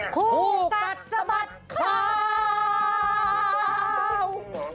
คู่กัดสะบัดข่าว